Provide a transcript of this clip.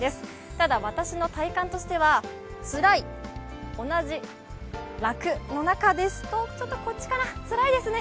ただ私の体感としてはつらい、同じ、楽のうちちょっとこっちかな、つらいですね。